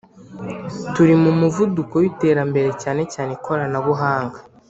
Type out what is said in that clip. Turi mu muvuduko witerambere cyane cyane ikoranabuhanga